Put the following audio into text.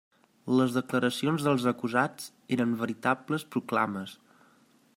Les declaracions dels acusats eren veritables proclames.